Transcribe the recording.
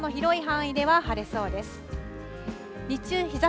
そのほかの広い範囲では晴れそうです。